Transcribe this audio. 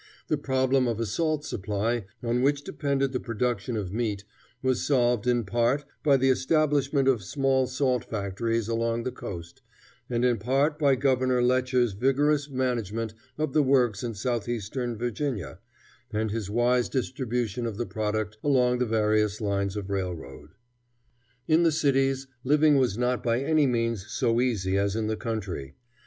The problem of a salt supply, on which depended the production of meat, was solved in part by the establishment of small salt factories along the coast, and in part by Governor Letcher's vigorous management of the works in southwestern Virginia, and his wise distribution of the product along the various lines of railroad. In the cities, living was not by any means so easy as in the country.